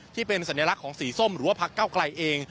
ที่เป็นสัญลักษณ์ของสีส้มหรือว่าพักเก้าไกลเอง